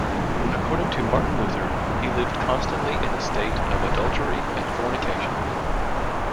According to Martin Luther, he lived constantly in a state of adultery and fornication.